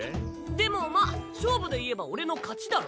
でもまっ勝負でいえば俺の勝ちだろ。